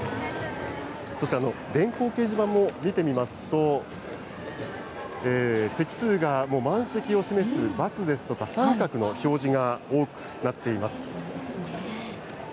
そして、電光掲示板も見てみますと、席数がもう満席を示す×ですとか、△の表示が多くなっています。